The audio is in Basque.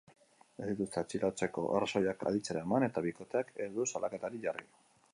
Ez dituzte atxilotzeko arrazoiak aditzera eman, eta bikoteak ez du salaketarik jarri.